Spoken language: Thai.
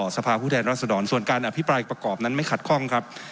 สภาพุทธแห่งราษฎรส่วนการอภิปรายประกอบนั้นไม่ขัดคล่องครับ